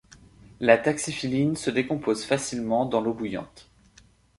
La taxiphylline se décompose facilement dans l'eau bouillante.